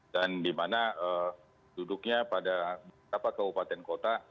dan di mana duduknya pada beberapa kabupaten kota